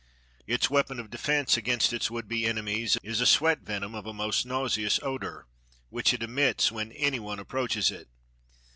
Its weapon of defense against its would be enemies is a sweat venom of a most nauseous odor, which it emits when any one approaches it.